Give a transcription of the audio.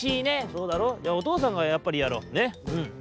「そうだろおとうさんがやっぱりやろうねうん。